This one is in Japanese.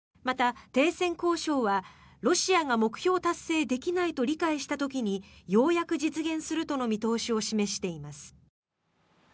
また、停戦交渉はロシアが目標達成できないと理解した時にようやく実現するとの見通しを示しています。